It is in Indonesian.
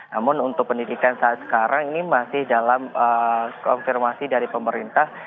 namun untuk pendidikan saat sekarang ini masih dalam konfirmasi dari pemerintah